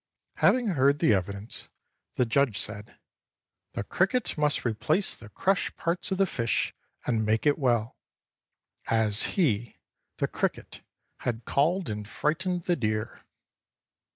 Having heard the e\'idence, the judge said, " The cricket must replace the crushed parts of the fish and make it well," as he, the cricket, had called and fright ened the deer.